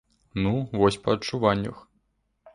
Ну, вось па адчуваннях.